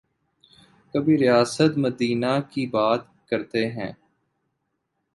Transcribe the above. کبھی ریاست مدینہ کی بات کرتے ہیں۔